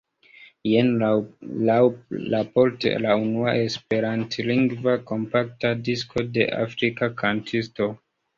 Jen laŭraporte la unua Esperantlingva kompakta disko de afrika kantisto.